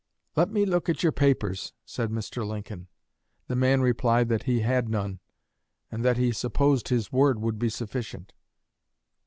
'Let me look at your papers,' said Mr. Lincoln. The man replied that he had none, and that he supposed his word would be sufficient.